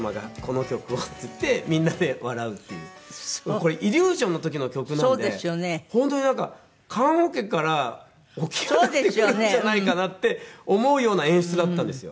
これイリュージョンの時の曲なんで本当になんか棺桶から起き上がってくるんじゃないかなって思うような演出だったんですよ。